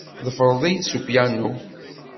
Teḍfer-iyi-d s upyanu.